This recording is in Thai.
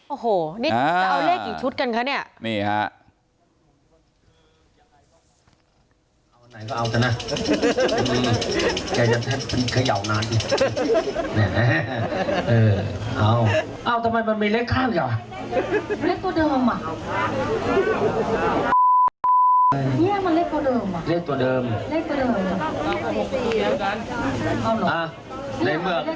โอ้โหนี่จะเอาเลขกี่ชุดกันคะเนี่ย